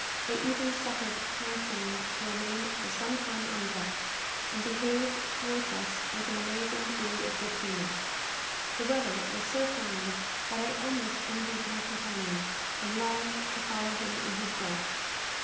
They even suffered Than Sing to remain for some time on deck, and behaved towards us with an amazing degree of good humour. The weather was so fine that I almost envied my companion, and longed to follow him in his walk.